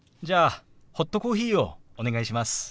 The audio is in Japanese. じゃあホットコーヒーをお願いします。